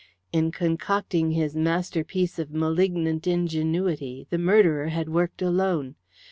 In concocting his masterpiece of malignant ingenuity the murderer had worked alone.